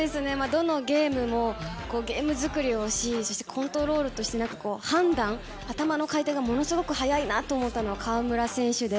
どのゲームもゲーム作りをしそしてコントロールをし判断、頭の回転がものすごく早いなと思ったのは河村選手で。